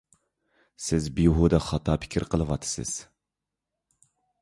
سىز بىھۇدە خاتا پىكىر قىلىۋاتىسىز!